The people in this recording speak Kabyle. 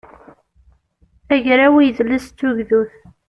agraw i yidles d tugdut